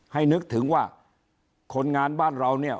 นึกถึงว่าคนงานบ้านเราเนี่ย